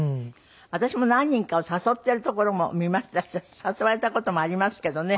私も何人かを誘ってるところも見ましたし誘われた事もありますけどね。